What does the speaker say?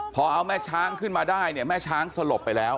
พอเอาแม่ช้างขึ้นมาได้เนี่ยแม่ช้างสลบไปแล้ว